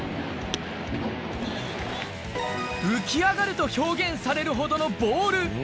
浮き上がると表現されるほどのボール。